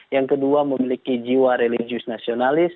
yang kedua memiliki jiwa religius nasionalis